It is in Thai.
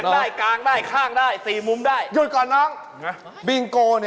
ไม่ได้ทานที่ผิด